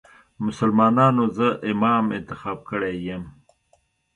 مسلمانانو زه امام انتخاب کړی یم.